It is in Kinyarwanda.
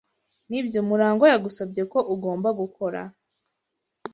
Nibyo Murangwa yagusabye ko ugomba gukora?